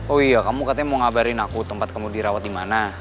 oh iya kamu katanya mau ngabarin aku tempat kamu dirawat di mana